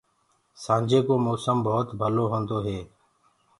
سآنجي ڪو موسم ڀوت ڀلو هوندو هي۔